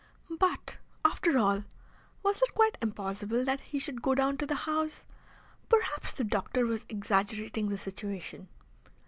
But, after all, was it quite impossible that he should go down to the House? Perhaps the doctor was exaggerating the situation.